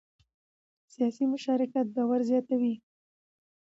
سیاسي مشارکت باور زیاتوي